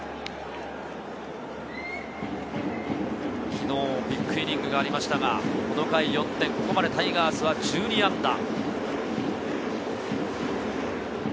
昨日ビッグイニングがありましたが、この回４点、ここまでタイガースは１２安打。